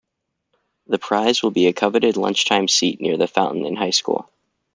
The prize will be a coveted lunchtime seat near the fountain in high school.